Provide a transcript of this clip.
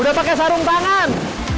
udah pakai sarung tangan